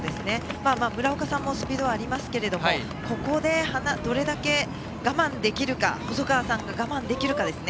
村岡さんもスピードはありますけれどもここでどれだけ細川さんが我慢できるかです。